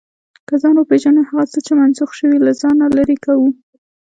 که ځان وپېژنو، هغه څه چې منسوخ شوي، له ځانه لرې کوو.